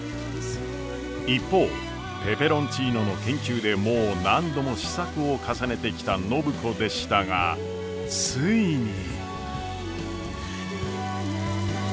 一方ペペロンチーノの研究でもう何度も試作を重ねてきた暢子でしたがついに。